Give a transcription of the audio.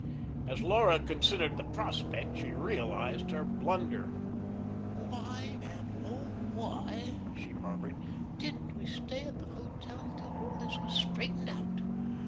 As Laura considered the prospect she realised her blunder. "Why, and oh, why," she murmured, "didn't we stay at the hotel till all this was straightened out?"